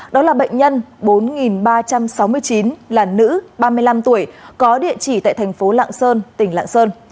đó là bệnh nhân bốn ba trăm sáu mươi chín là nữ ba mươi năm tuổi có địa chỉ tại thành phố lạng sơn tỉnh lạng sơn